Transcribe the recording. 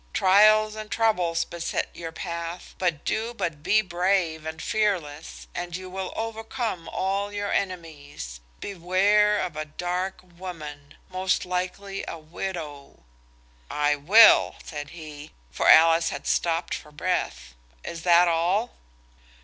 Trials and troubles beset your path, but do but be brave and fearless and you will overcome all your enemies. Beware of a dark woman–most likely a widow." "I will," said he, for Alice had stopped for breath. "Is that all?"